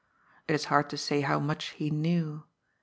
It is hard to say how much he knew.